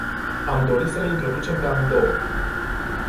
Am dori să le introducem pe amândouă.